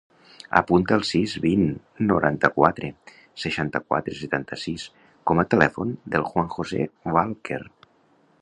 Apunta el sis, vint, noranta-quatre, seixanta-quatre, setanta-sis com a telèfon del Juan josé Walker.